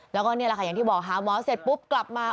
แล้วก็นี่แหละค่ะอย่างที่บอกหาหมอเสร็จปุ๊บกลับมา